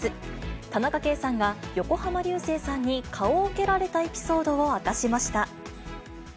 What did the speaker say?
田中圭さんが、横浜流星さんに顔を蹴られたエピソードを明かしました。